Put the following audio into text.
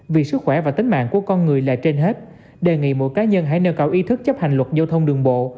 vì sức khỏe và tính mạng của con người là trên hết đề nghị mỗi cá nhân hãy nâng cao ý thức chấp hành luật giao thông đường bộ